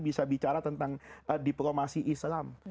bisa bicara tentang diplomasi islam